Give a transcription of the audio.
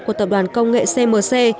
của tập đoàn công nghệ cmc